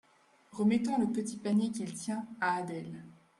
Remettant le petit panier qu’il tient à Adèle.